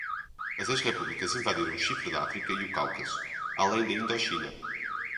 As ex-repúblicas invadiram o Chifre da África e o Cáucaso, além da Indochina